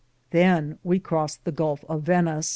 Than we crost the gulfe of Venis.